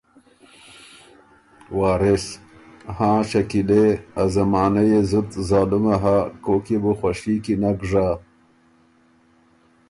وارث ـــ هاں شکیلے! ا زمانۀ يې زُت ظالُمه هۀ کوک يې بو خوشي کی نک ژَۀ۔